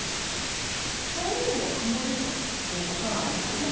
そういう意味で曇りということになりますね。